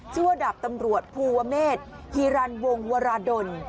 ชื่อว่าดาบตำรวจภูวะเมษฮีรันวงวราดล